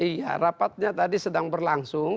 iya rapatnya tadi sedang berlangsung